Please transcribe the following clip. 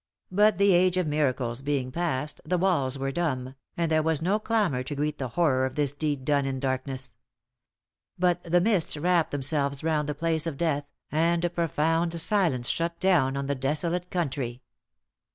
But the age of miracles being past, the walls were dumb, and there was no clamour to greet the horror of this deed done in darkness. But the mists wrapped themselves round the place of death, and a profound silence shut down on the desolate country.